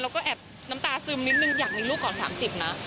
แล้วก็แอบน้ำตาซึมนิดนึงอยากมีลูกก่อน๓๐นะ